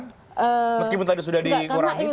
meskipun tadi sudah dikurangi